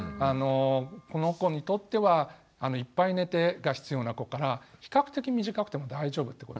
この子にとってはいっぱい寝てが必要な子から比較的短くても大丈夫って子。